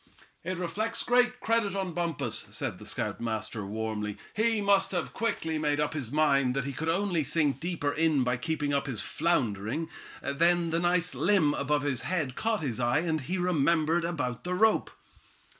"It reflects great credit on Bumpus," said the scoutmaster, warmly. "He must have quickly made up his mind that he could only sink deeper in by keeping up his floundering. Then that nice limb above his head caught his eye, and he remembered about the rope."